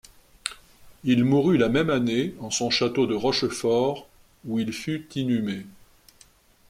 Il mourut la même année en son château de Rochefort où il fut inhumé.